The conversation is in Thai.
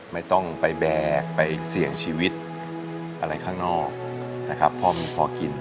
ไม่ต้องไปแบกไปเสี่ยงชีวิตอะไรข้างนอกนะครับพอมีพอกิน